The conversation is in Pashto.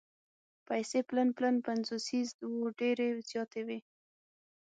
پیسې پلن پلن پنځوسیز وو ډېرې زیاتې وې.